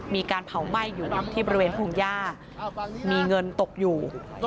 มีการเผาไหม้อยู่ที่บริเวณพงหญ้ามีเงินตกอยู่